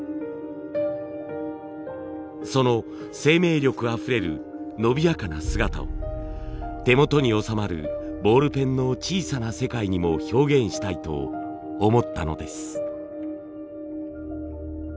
その生命力あふれる伸びやかな姿を手元に収まるボールペンの小さな世界にも表現したいと思ったのです。